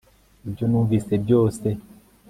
nibyo numvise ryose